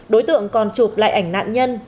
đối tượng còn chụp lại ảnh nạn nhân